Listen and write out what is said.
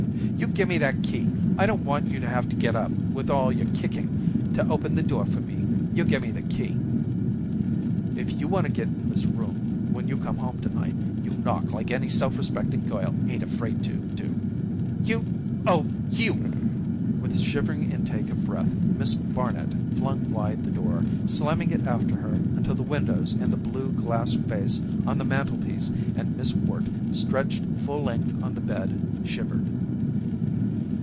"You gimme that key. I don't want you to have to get up, with all your kicking, to open the door for me. You gimme the key." "If you wanna get in this room when you come home to night, you knock like any self respecting girl ain't afraid to do." "You oh you!" With a shivering intake of breath Miss Barnet flung wide the door, slamming it after her until the windows and the blue glass vase on the mantelpiece and Miss Worte, stretched full length on the bed, shivered.